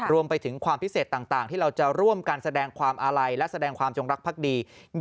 รวมไปถึงความพิเศษต่างที่เราจะร่วมกันแสดงความอาลัยและแสดงความจงรักภักดี